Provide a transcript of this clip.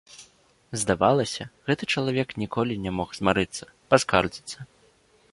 Здавалася, гэты чалавек ніколі не мог змарыцца, паскардзіцца.